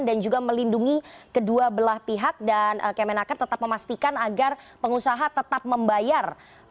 dan juga melindungi kedua belah pihak dan kemenaker tetap memastikan agar pengusaha tetap membayar